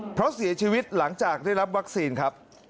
เพราะเสียชีวิตหลังจากได้รับวัคซีนครับ